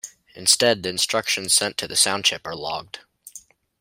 Instead, the instructions sent to the sound chip are logged.